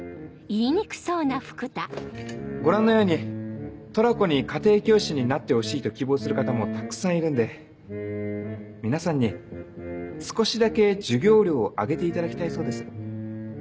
ご覧のようにトラコに家庭教師になってほしいと希望する方もたくさんいるんで皆さんに少しだけ授業料を上げていただきたいそうです。